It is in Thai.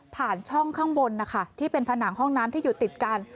ช่องข้างบนนะคะที่เป็นผนังห้องน้ำที่อยู่ติดกัน